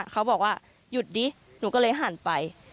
เขาบอกว่าหยุดดิหนูก็เลยหันไป